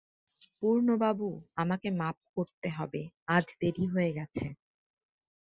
পূর্ণবাবু, আমাকে মাপ করতে হবে, আজ দেরি হয়ে গেছে।